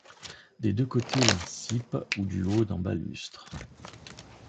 Des deux côtés d'un cippe ou du haut d'un balustre !